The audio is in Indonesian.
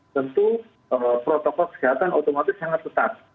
tentu protokol kesehatan otomatis sangat ketat